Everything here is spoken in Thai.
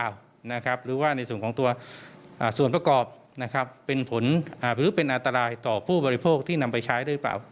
ว่ามันเป็นอัตรายต่อผู้บริโภคที่นำไปใช้หรือเปล่า